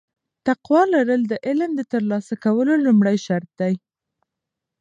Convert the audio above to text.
تقوا لرل د علم د ترلاسه کولو لومړی شرط دی.